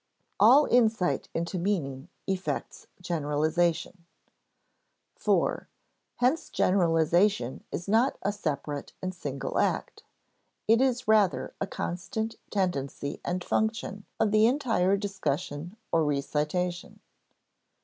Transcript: [Sidenote: All insight into meaning effects generalization] (iv) Hence generalization is not a separate and single act; it is rather a constant tendency and function of the entire discussion or recitation.